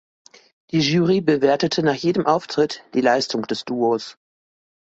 Die Jury bewertete nach jedem Auftritt die Leistung des Duos.